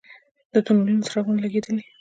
د تونلونو څراغونه لګیدلي؟